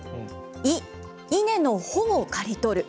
い、イネの穂を刈り取る。